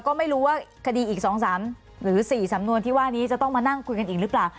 ก็ไม่รู้ว่าคดีอีก๒๓หรือ๔สำนวนที่ว่านี้จะต้องมานั่งคุยกันอีกหรือเปล่า